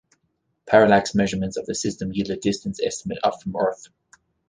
Parallax measurements of the system yield a distance estimate of from Earth.